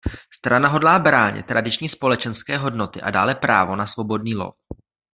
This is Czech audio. Strana hodlá bránit tradiční společenské hodnoty a dále právo na svobodný lov.